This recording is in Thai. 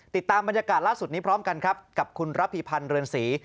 ติดตามบรรยากาศล่าสุดนี้พร้อมกันครับกับคุณระพีพันธ์เรือนศรี